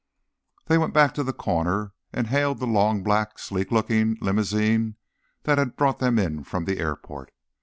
They went back to the corner, and hailed the long, black, sleek looking limousine that had brought them in from the airport.